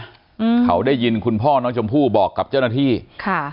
อืมเขาได้ยินคุณพ่อน้องชมพู่บอกกับเจ้าหน้าที่ค่ะ